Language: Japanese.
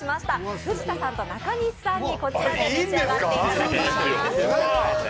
藤田さんと中西さんに、こちらで召し上がっていただきます。